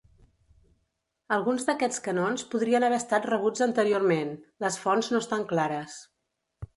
Alguns d'aquests canons podrien haver estat rebuts anteriorment, les fonts no estan clares.